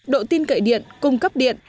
độ tiên cậy điện cung cấp điện